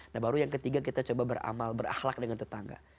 nah baru yang ketiga kita coba beramal berakhlak dengan tetangga